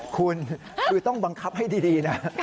คุณคือต้องบังคับให้ดีนะ